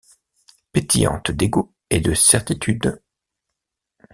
pétillantes d'egos et de certitudes.